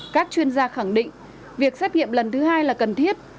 các chuyên gia khẳng định việc xét nghiệm lần thứ hai là cần thiết